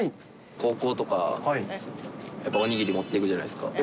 高校とか、やっぱりおにぎりとか持っていくじゃないですか。